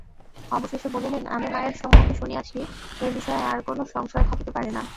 অবশেষে বলিলেন, আমি মায়ের স্বমুখে শুনিয়াছি–এ বিষয়ে আর কোনো সংশয় থাকিতে পারে না।